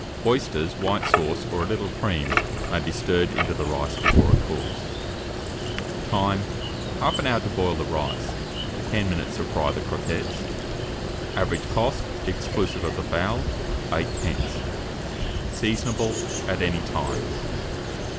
Oysters, white sauce, or a little cream, may be stirred into the rice before it cools. Time. 1/2 hour to boil the rice, 10 minutes to fry the croquettes. Average cost, exclusive of the fowl, 8d. Seasonable at any time.